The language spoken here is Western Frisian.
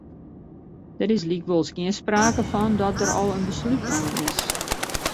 Der is lykwols gjin sprake fan dat der al in beslút nommen is.